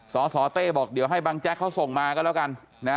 สสเต้บอกเดี๋ยวให้บังแจ๊กเขาส่งมาก็แล้วกันนะ